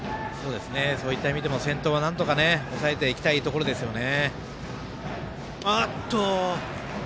そういった意味でも先頭はなんとか抑えていきたいところですね。